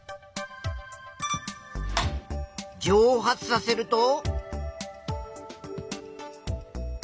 蒸発させると。